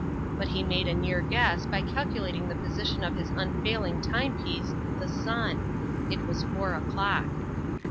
But he made a near guess by calculating the position of his unfailing time piece, the sun. It was four o'clock.